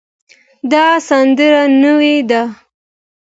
دا سندره نوې ده